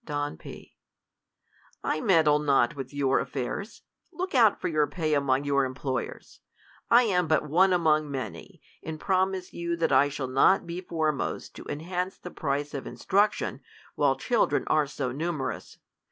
Don P. I meddle not with your affairs. Look out for your pay among your employers. I am but one* among many, and promise you that I shall not be fore most to enhance the price of instruction, while childrervj are so numerous.